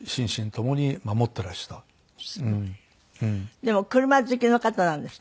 でも車好きの方なんですって？